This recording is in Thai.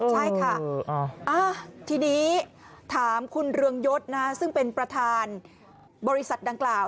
ใช่ค่ะทีนี้ถามคุณเรืองยศซึ่งเป็นประธานบริษัทดังกล่าว